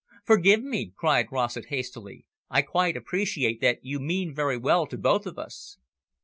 "Forgive me," cried Rossett hastily. "I quite appreciate that you mean very well to both of us."